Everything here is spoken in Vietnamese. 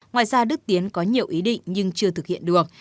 ngoài ra đức tiến có nhiều ý định nhưng chưa thực hiện được